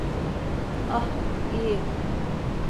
Ah, iyi.